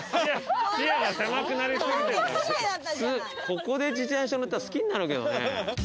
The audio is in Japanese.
ここで自転車乗ったら好きになるけどね。